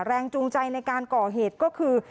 แรงจูงใจในการก่อเหตุก็คือ